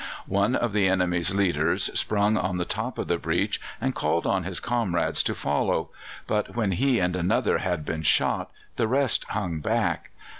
One of the enemy's leaders sprung on the top of the breach and called on his comrades to follow; but when he and another had been shot the rest hung back.